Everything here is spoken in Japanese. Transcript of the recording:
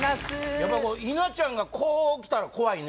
やっぱ稲ちゃんがこう来たら怖いね